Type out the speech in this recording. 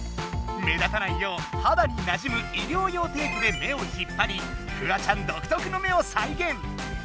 目立たないようはだになじむ医療用テープで目を引っぱりフワちゃんどくとくの目をさいげん。